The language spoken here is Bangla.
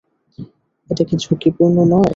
এটা কি ঝুঁকিপূর্ণ নয়?